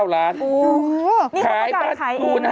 ๙ล้านอู้วนี่คือบ้านคุณนะ